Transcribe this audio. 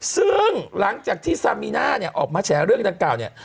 ซึ่งหลังจากที่ซามีน่าเนี่ยออกมาแฉเรื่องดังกล่าวเนี่ย